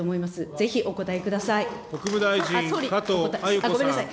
ぜひお答えください。